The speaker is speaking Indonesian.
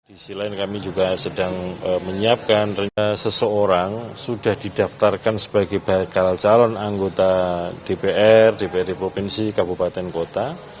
di silain kami juga sedang menyiapkan ternyata seseorang sudah didaftarkan sebagai bakal calon anggota dpr dpr repubensi kabupaten kota